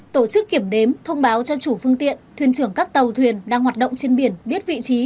tổ chức kiểm đếm thông báo cho chủ phương tiện thuyền trưởng các tàu thuyền đang hoạt động trên biển biết vị trí